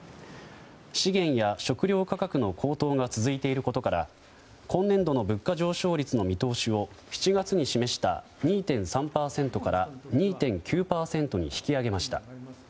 資源や食料価格の高騰が続いていることから今年度の物価上昇率の見通しを７月に示した２．３％から２．９％に引き上げました。